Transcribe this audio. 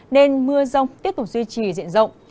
nên mưa rông tiếp tục duy trì diện rộng